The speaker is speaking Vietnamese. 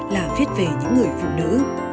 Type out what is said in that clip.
là viết về những người phụ nữ